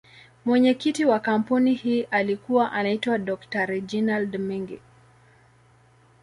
Mwenyekiti wa kampuni hii alikuwa anaitwa Dr.Reginald Mengi.